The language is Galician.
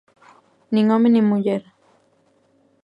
Nin home nin muller.